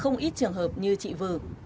không ít trường hợp như chị vư